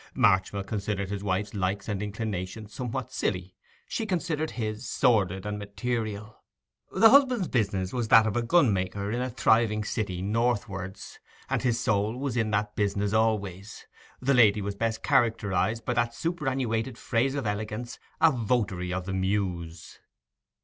Marchmill considered his wife's likes and inclinations somewhat silly; she considered his sordid and material. The husband's business was that of a gunmaker in a thriving city northwards, and his soul was in that business always; the lady was best characterized by that superannuated phrase of elegance 'a votary of the muse.